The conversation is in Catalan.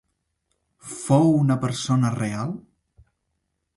Fou una persona real?